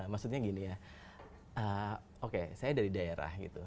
maksudnya gini ya oke saya dari daerah gitu